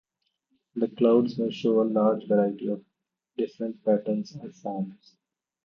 The clouds may show a large variety of different patterns and forms.